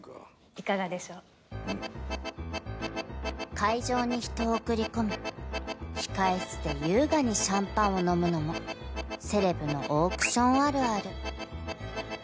［会場に人を送り込み控室で優雅にシャンパンを飲むのもセレブのオークションあるある］